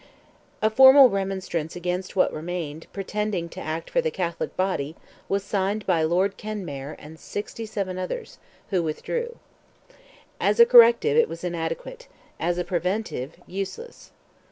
A formal remonstrance against what remained, pretending to act for the Catholic body, was signed by Lord Kenmare and sixty seven others, who withdrew. As a corrective, it was inadequate; as a preventive, useless.